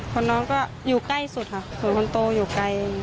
ส่วนน้องก็อยู่ใกล้สุดค่ะส่วนคนโตอยู่ไกล